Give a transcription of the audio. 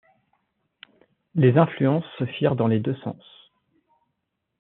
Les influences se firent dans les deux sens.